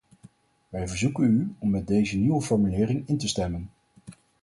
Wij verzoeken u om met deze nieuwe formulering in te stemmen.